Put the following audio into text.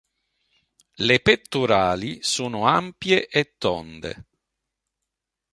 Le pettorali sono ampie e tonde.